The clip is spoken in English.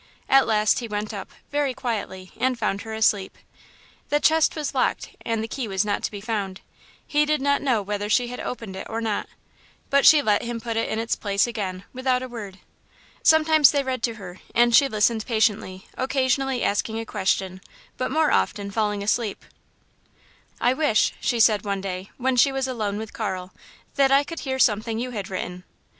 At last he went up, very quietly, and found her asleep. The chest was locked and the key was not to be found. He did not know whether she had opened it or not, but she let him put it in its place again, without a word. Sometimes they read to her, and she listened patiently, occasionally asking a question, but more often falling asleep. "I wish," she said one day, when she was alone with Carl, "that I could hear something you had written."